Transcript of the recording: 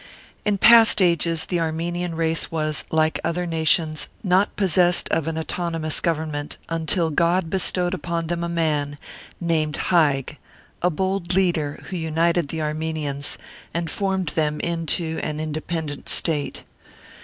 In past ages the Armenian race was, like other nations, not possessed of an autonomous government, until God bestowed upon them a man, named Haig, a bold leader, who united the Ar menians and formed them into an indepen dent state.